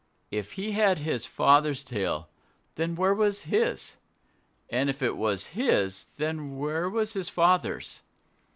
If he had his father's tail, then where was his? And if it was his, then where was his father's?